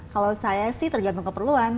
kalau saya sih tergantung keperluan